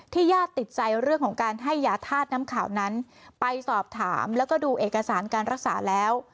ญาติติดใจเรื่องของการให้ยาธาตุน้ำขาวนั้นไปสอบถามแล้วก็ดูเอกสารการรักษาแล้ว